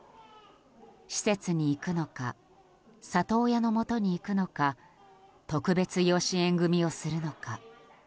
施設に行くのか里親のもとに行くのか特別養子縁組をするのか。